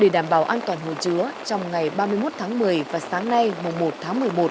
đảm bảo an toàn hồ chứa trong ngày ba mươi một tháng một mươi và sáng nay mùa một tháng một mươi một